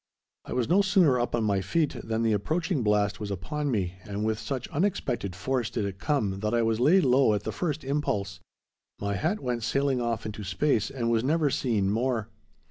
I was no sooner up on my feet than the approaching blast was upon me, and with such unexpected force did it come that I was laid low at the first impulse. My hat went sailing off into space and was never seen more.